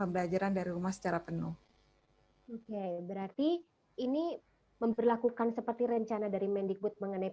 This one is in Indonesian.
bagi orang tua yang tidak menyetujui anak yang melakukan pembelajaran tatap muka tentu peserta didik tersebut dapat menentukan